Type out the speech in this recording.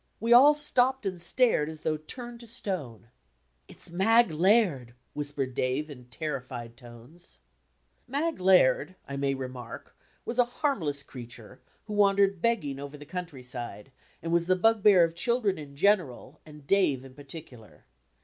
We all stopped and stared as though turned to stone. "It's Mag Laird," whispered Dave in terrified tones. D,i„Mb, Google Mag Laird, I may remark, was a harmless creature who wandered begging over die country side, and was the bug bear of children in general and Dave in particular.